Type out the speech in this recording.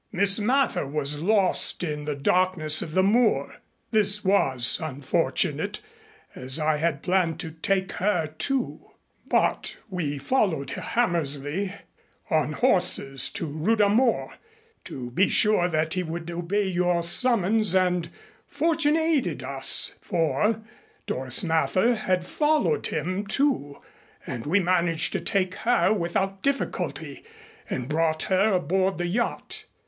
Miss Mather we lost in the darkness of the moor. This was unfortunate, as I had planned to take her, too. But we followed Hammersley on horses to Rudha Mor to be sure that he would obey your summons and fortune aided us, for Doris Mather had followed him, too, and we managed to take her without difficulty and brought her aboard the yacht.